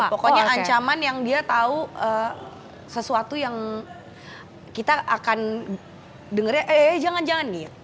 pokoknya ancaman yang dia tahu sesuatu yang kita akan dengarnya eh jangan jangan nih